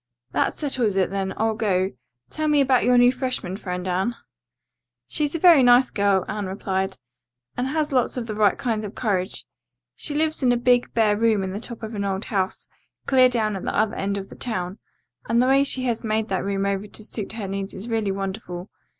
"That settles it, then, I'll go. Tell me about your new freshman friend, Anne." "She's a very nice girl," Anne replied, "and has lots of the right kind of courage. She lives in a big, bare room in the top of an old house, clear down at the other end of the town, and the way she has made that room over to suit her needs is really wonderful.